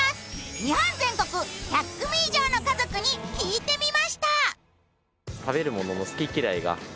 日本全国１００組以上の家族に聞いてみました。